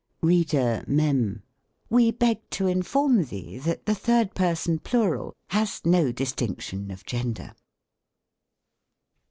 Reader, Mem. We beg to inform thee, that the third person plural has no distinction of gender.